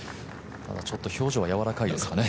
ただ、ちょっと表情はやわらかいですかね。